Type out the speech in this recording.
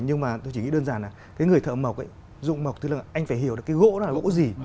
nhưng mà tôi chỉ nghĩ đơn giản là người thợ mộc dụng mộc tức là anh phải hiểu gỗ là gỗ gì